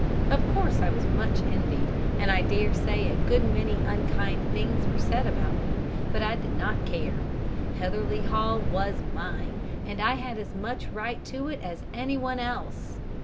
Of course I was much envied, and I dare say a good many unkind things were said about me, but I did not care Heatherleigh Hall was mine, and I had as much right to it as anyone else.